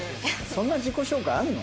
そんな自己紹介あるの？